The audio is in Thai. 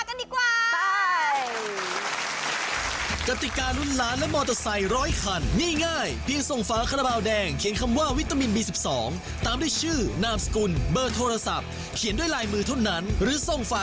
ไปติดตามความสนุกกับตลอดข่าวพร้อมกับไปชมกติกากันดีกว่า